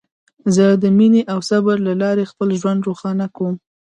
زه د مینې او صبر له لارې خپل ژوند روښانه کوم.